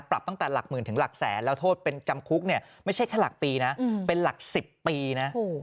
ปรับตั้งแต่หลักหมื่นถึงหลักแสนแล้วโทษเป็นจำคุกเนี่ยไม่ใช่แค่หลักปีนะเป็นหลัก๑๐ปีนะ